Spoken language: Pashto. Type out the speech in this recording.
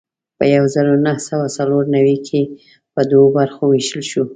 په یو زر نهه سوه څلور نوي کې په دوو برخو وېشل شو.